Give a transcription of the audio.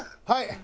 はい。